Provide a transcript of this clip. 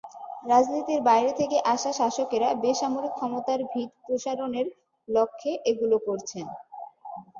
রাজনীতির বাইরে থেকে আসা শাসকেরা বেসামরিক ক্ষমতার ভিত সম্প্রসারণের লক্ষ্যে এগুলো করেছেন।